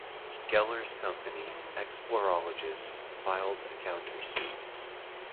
Geller's company, Explorologist, filed a counter-suit.